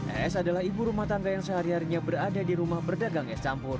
es adalah ibu rumah tangga yang sehari harinya berada di rumah berdagang es campur